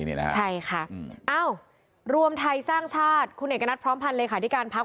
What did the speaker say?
ใช่ค่ะเอ้ารวมไทยสร้างชาติคุณเอกณัฐพร้อมพันธ์เลขาธิการพัก